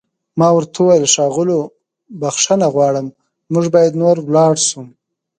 ما ورته وویل: ښاغلو، بښنه غواړم موږ باید نور ولاړ شو.